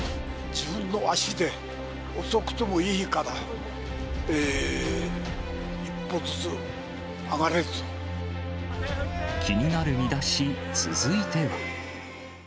自分の足で、遅くともいいから、気になるミダシ、続いては。